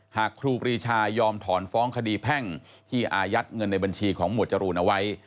ครูปรีชายอมถอนฟ้องคดีแพ่งที่อายัดเงินในบัญชีของหมวดจรูนเอาไว้